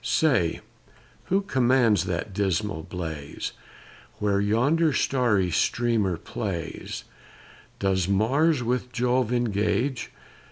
Say, who commands that dismal blaze, Where yonder starry streamer plays; Does Mars with Jove engage!